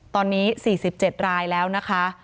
ตอนนี้๔๗รายแล้วนะคะ